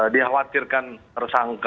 dia khawatirkan tersangka